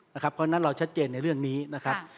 เพราะฉะนั้นเราชัดเจนในเรื่องนี้นะครับ